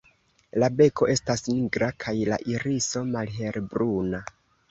La beko estas nigra kaj la iriso malhelbruna.